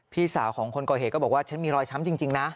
พี่สาวของคนก่อเหตุก็บอกว่าฉันมีรอยช้ำจริงนะ